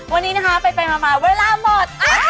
วันนี้นะคะไปมาเวลาหมด